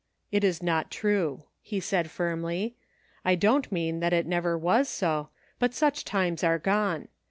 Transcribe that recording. " It is not true," he said firmly. " I don't mean that it never was so, but such times are gone.